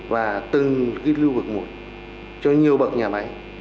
và từng cái lưu vực một cho nhiều bậc nhà máy